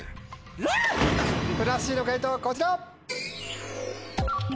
ふなっしーの解答はこちら。